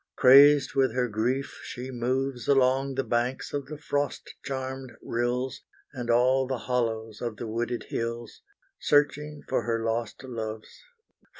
Crazed with her grief she moves Along the banks of the frost charmed rills, And all the hollows of the wooded hills, Searching for her lost loves.